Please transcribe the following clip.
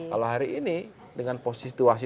kalau hari ini dengan situasi